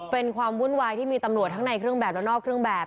เป็นความวุ่นวายที่มีตำรวจทั้งในเครื่องแบบและนอกเครื่องแบบ